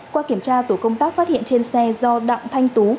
qua kiểm tra tổ công tác phát hiện trên xe do đặng thanh tú